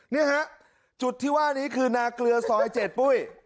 นี่ฮะจุดที่ว่านี้คือนาเกลือซอย๗ปุ้ย